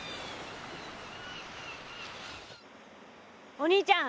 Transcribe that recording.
お兄ちゃん